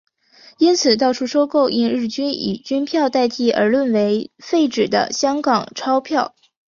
因此到处收购因日军以军票代替而沦为废纸的香港钞票。